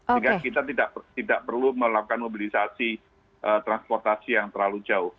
sehingga kita tidak perlu melakukan mobilisasi transportasi yang terlalu jauh